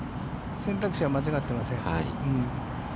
選択肢は間違っていません。